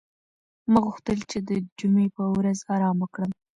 ما غوښتل چې د جمعې په ورځ ارام وکړم.